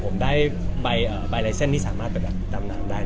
ผมได้ใบไล่เส้นที่สามารถไปดำน้ำได้เลย